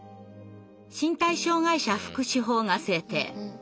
「身体障害者福祉法」が制定。